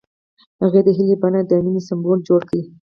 هغه د هیلې په بڼه د مینې سمبول جوړ کړ.